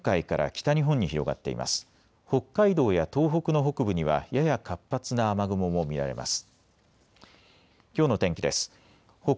北海道や東北の北部にはやや活発な雨雲も見られます。